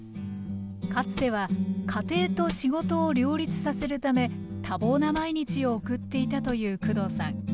かつては家庭と仕事を両立させるため多忙な毎日を送っていたという工藤さん。